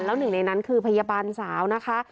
แล้วหนึ่งในนั้นคือพยาบาลสาวนะคะ